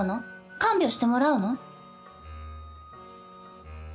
看病してもらうの？